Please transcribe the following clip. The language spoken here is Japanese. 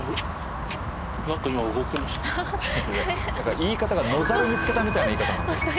言い方が野猿見つけたみたいな言い方なんだよ。